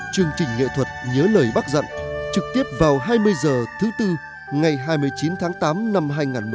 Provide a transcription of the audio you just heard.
chương trình nghệ thuật nhớ lời bác dặn trực tiếp vào hai mươi h thứ tư ngày hai mươi chín tháng tám năm hai nghìn một mươi chín